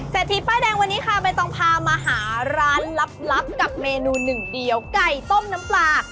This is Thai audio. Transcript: ทีป้ายแดงวันนี้ค่ะใบตองพามาหาร้านลับกับเมนูหนึ่งเดียวไก่ต้มน้ำปลา